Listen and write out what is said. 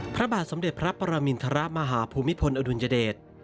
พระบาทสมเด็จพระปรมินทรมาฮภูมิพลอดุลยเดช